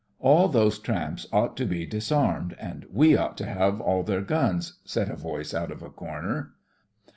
"All those tramps ought to be dis armed, and we ought to have all their guns," said a voice out of a corner.